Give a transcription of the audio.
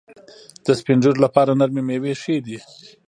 د سپین ږیرو لپاره نرمې میوې ښې دي.